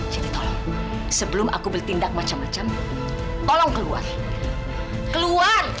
jadi tolong sebelum aku bertindak macam macam tolong keluar keluar